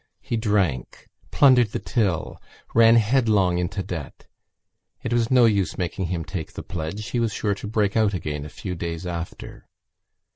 He drank, plundered the till, ran headlong into debt. It was no use making him take the pledge: he was sure to break out again a few days after.